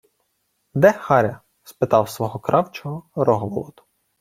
— Де Харя? — спитав свого кравчого Рогволод.